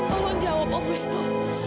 tolong jawab om wisnu